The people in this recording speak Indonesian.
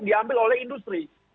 diambil oleh industri